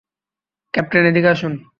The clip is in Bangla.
ক্যাপ্টেন, এদিকে আসুন।